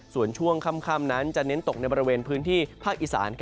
ส่วนช่วงค่ำนั้นจะเน้นตกในบริเวณพื้นที่ภาคอีสาน